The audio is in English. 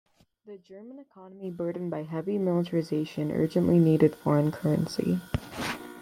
The German economy-burdened by heavy militarisation-urgently needed foreign currency.